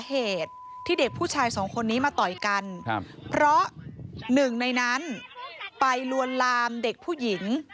เหตุที่เด็กผู้ชายสองคนนี้มาต่อยกันเพราะหนึ่งในนั้นไปลวนลามเด็กผู้หญิง